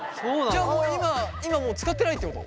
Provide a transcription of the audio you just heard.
じゃあ今もう使ってないってこと？